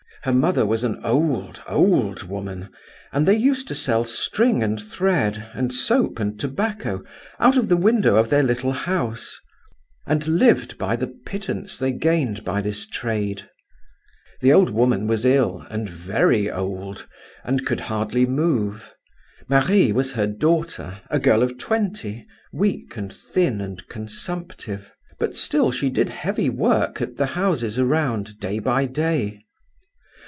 Her mother was an old, old woman, and they used to sell string and thread, and soap and tobacco, out of the window of their little house, and lived on the pittance they gained by this trade. The old woman was ill and very old, and could hardly move. Marie was her daughter, a girl of twenty, weak and thin and consumptive; but still she did heavy work at the houses around, day by day.